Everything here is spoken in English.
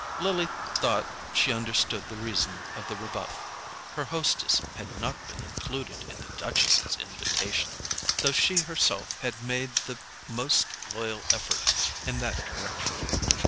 Lily thought she understood the reason of the rebuff. Her hostess had not been included in the Duchess's invitation, though she herself had made the most loyal efforts in that direction.